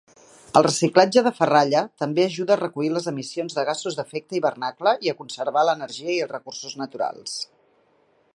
El reciclatge de ferralla també ajuda a reduir les emissions de gasos d'efecte hivernacle i a conservar l'energia i els recursos naturals.